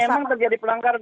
emang terjadi pelanggaran